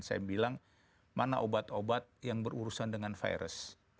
saya bilang mana obat obat yang berurusan dengan virus